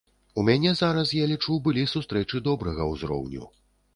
У мяне зараз, я лічу, былі сустрэчы добрага ўзроўню.